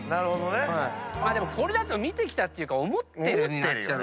でもこれだと「見てきた」というか思ってるになっちゃう。